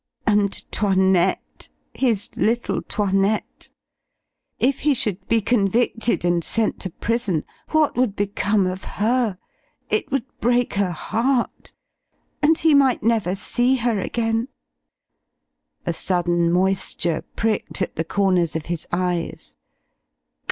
And 'Toinette! His little 'Toinette! If he should be convicted and sent to prison, what would become of her? It would break her heart. And he might never see her again! A sudden moisture pricked at the corners of his eyes.